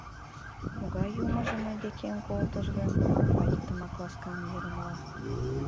— Могай юмыжо мый декем колтыш гын? — кува иктымак ласкан йырымла.